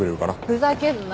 ふざけんな。